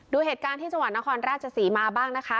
ดูเหตุการณ์ที่จังหวัดนครราชศรีมาบ้างนะคะ